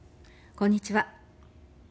こんにちは。